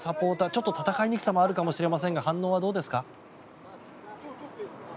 ちょっと戦いにくさもあるかもしれませんが反応はどうですか？